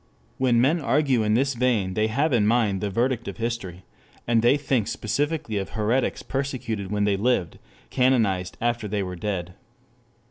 When men argue in this vein they have in mind the verdict of history, and they think specifically of heretics persecuted when they lived, canonized after they were dead.